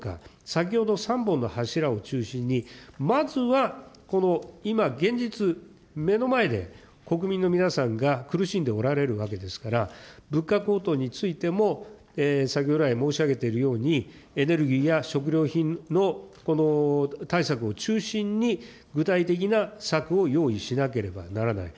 先ほど、３本の柱を中心にまずはこの今、現実、目の前で、国民の皆さんが苦しんでおられるわけですから、物価高騰についても、先ほど来申し上げているように、エネルギーや食料品の対策を中心に、具体的な策を用意しなければならない。